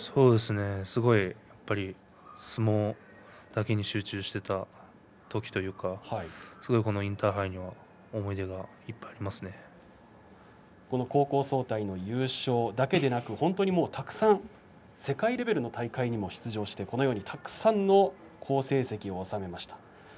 すごいやっぱり相撲だけに集中していたときというかインターハイには高校総体の優勝だけではなく本当にたくさん世界レベルの大会に出場してこのようにたくさんの好成績を収めました。